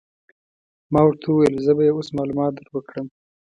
ما ورته وویل: زه به يې اوس معلومات در وکړم.